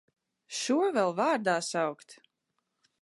Šo vēl vārdā saukt!